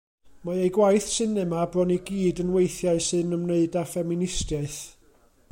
Mae ei gwaith sinema bron i gyd yn weithiau sy'n ymwneud â ffeministiaeth.